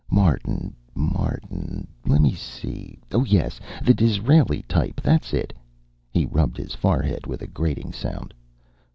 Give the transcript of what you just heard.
Martin, Martin? Let me see oh yes, the Disraeli type, that's it." He rubbed his forehead with a grating sound.